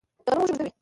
د غنمو وږی اوږد وي.